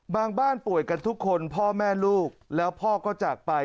บ้านป่วยกันทุกคนพ่อแม่ลูกแล้วพ่อก็จากไป